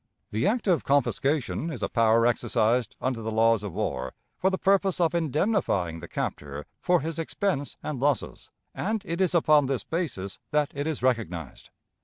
The act of confiscation is a power exercised under the laws of war for the purpose of indemnifying the captor for his expense and losses; and it is upon this basis that it is recognized.